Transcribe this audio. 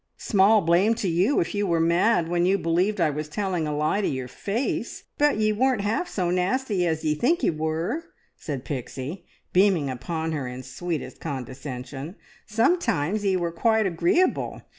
"Small blame to you if you were mad when you believed I was telling a lie to your face! But ye weren't half so nasty as ye think ye were," said Pixie, beaming upon her in sweetest condescension. "Sometimes ye were quite agreeable.